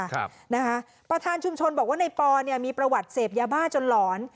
ครับนะคะประธานชุมชนบอกว่าในปอเนี่ยมีประวัติเสพยาบ้าจนหลอน